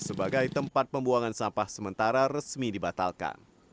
sebagai tempat pembuangan sampah sementara resmi dibatalkan